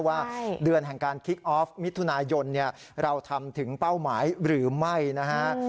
ว่าเดือนแห่งการคิกออฟมิถุนายนเราทำถึงเป้าหมายหรือไม่นะฮะ